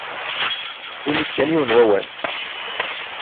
Ini-d kan yiwen n wawal.